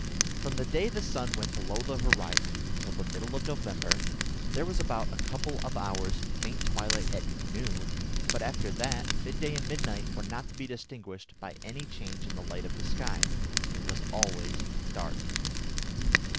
From the day the sun went below the horizon until the middle of November there was about a couple of hours faint twilight at "noon," but, after that, midday and midnight were not to be distinguished by any change in the light of the sky. It was always dark.